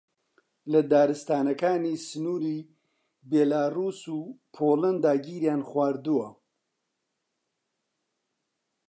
لە دارستانەکانی سنووری بیلاڕووس و پۆڵەندا گیریان خواردووە